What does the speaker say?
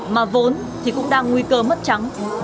mà vốn thì cũng đang nguy cơ mất trắng